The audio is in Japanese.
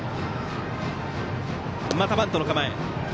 またバントの構え。